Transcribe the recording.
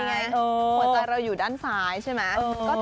หัวใจเราอยู่ด้านซ้ายใช่ไหม